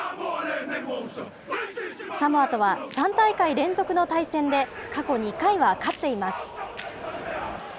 サモアとは３大会連続の対戦で、過去２回は勝っています。